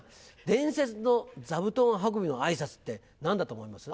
伝説の座布団運びの挨拶って何だと思います？